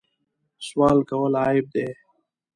سوال کول عیب دی.